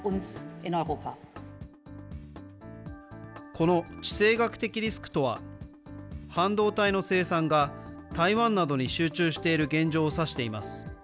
この地政学的リスクとは、半導体の生産が台湾などに集中している現状を指しています。